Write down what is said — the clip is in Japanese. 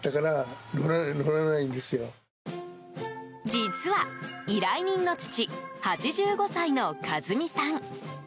実は、依頼人の父８５歳の一美さん。